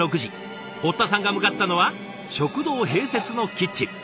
堀田さんが向かったのは食堂併設のキッチン。